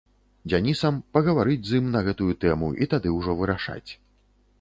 Дзянісам, пагаварыць з ім на гэтую тэму і тады ўжо вырашаць.